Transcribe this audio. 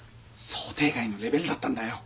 想定外のレベルだったんだよ。